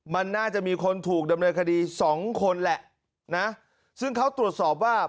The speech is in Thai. มันน่าจะมีคนถูกดำเนินคดีสองคนแหละนะซึ่งเขาตรวจสอบว่า